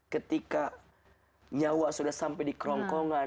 ketika nyawa sudah sampai di kerongkongan